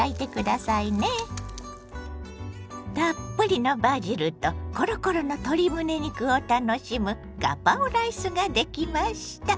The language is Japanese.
たっぷりのバジルとコロコロの鶏むね肉を楽しむガパオライスができました。